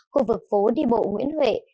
khu vực phố đi bộ nguyễn huệ